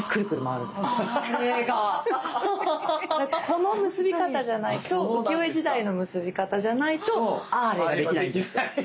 この結び方じゃないと浮世絵時代の結び方じゃないと「あれ」ができないんですって。